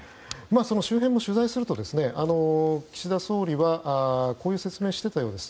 周辺を取材すると岸田総理はこういう説明をしていたようです。